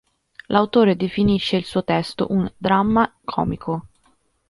L'autore definisce il suo testo un "dramma comico".